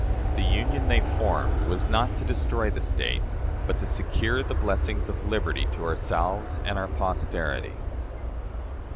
The Union they formed was not to destroy the States, but to "secure the blessings of liberty to ourselves and our posterity."